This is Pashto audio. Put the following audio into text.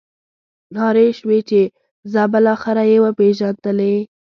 نارې شوې چې ځه بالاخره یې وپېژندلې.